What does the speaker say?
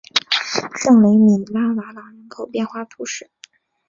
圣雷米拉瓦朗人口变化图示